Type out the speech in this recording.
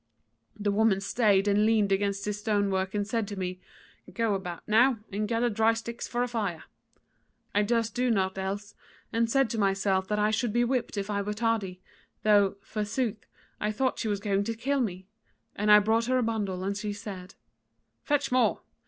"The woman stayed and leaned against this stonework and said to me: 'Go about now and gather dry sticks for a fire.' I durst do naught else, and said to myself that I should be whipped if I were tardy, though, forsooth, I thought she was going to kill me; and I brought her a bundle, and she said, 'Fetch more.'